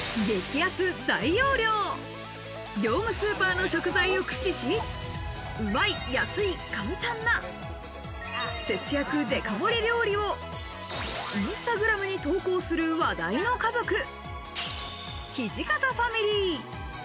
激安大容量、業務スーパーの食材を駆使し、うまい、安い、簡単な節約デカ盛り料理をインスタグラムに投稿する話題の家族、土方ファミリー。